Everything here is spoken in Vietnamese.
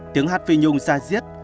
tiếng hát phi nhung ra giết